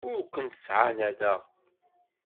Ur kent-ttɛanadeɣ.